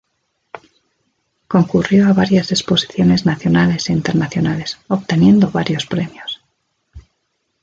Concurrió a varias exposiciones nacionales e internacionales, obteniendo varios premios.